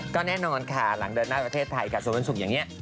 ก็แน่นอนค่ะหลังเดินหน้าไพรเตรชไทยฐานวันสุขอย่างเ้ย